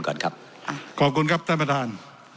ขอบคุณครับท่านประธาน